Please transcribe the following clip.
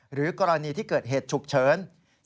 หรือกรณีที่เกิดเหตุฉุกเฉิน